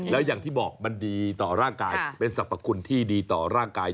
แล้วอย่างที่บอกมันดีต่อร่างกายเป็นสรรพคุณที่ดีต่อร่างกาย